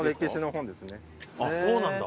あっそうなんだ。